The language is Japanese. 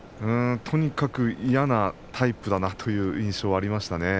とにかく嫌なタイプだなという印象はありました。